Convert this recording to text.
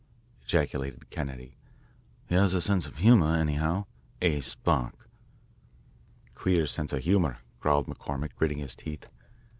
ejaculated Kennedy, "he has a sense of humour, anyhow A. Spark!" "Queer sense of humour," growled McCormick, gritting his teeth.